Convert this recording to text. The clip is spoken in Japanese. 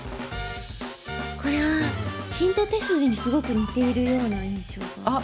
これはヒント手筋にすごく似ているような印象が。